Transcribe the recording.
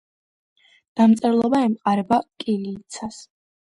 დამწერლობა ემყარება კირილიცას.